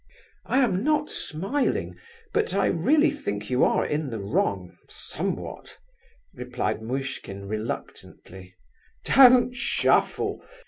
"I am not smiling, but I really think you are in the wrong, somewhat," replied Muishkin, reluctantly. "Don't shuffle!